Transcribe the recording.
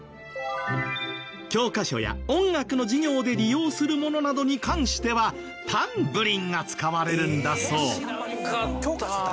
教科書や音楽の授業で利用するものなどに関してはタンブリンが使われるんだそう。